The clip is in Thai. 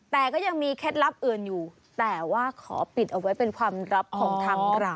แต่ก็ยังมีเคล็ดลับอื่นอยู่แต่ว่าขอปิดเอาไว้เป็นความลับของทางเรา